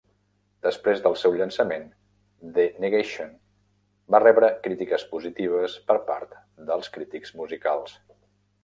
Després del seu llançament, "The Negation" va rebre crítiques positives per part dels crítics musicals.